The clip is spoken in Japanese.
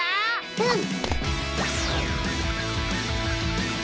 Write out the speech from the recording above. うん！